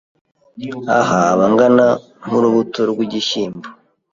Aha aba angana nk’urubuto rw’igishyimbo